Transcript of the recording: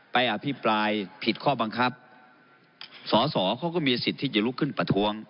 อภิปรายผิดข้อบังคับสอสอเขาก็มีสิทธิ์ที่จะลุกขึ้นประท้วง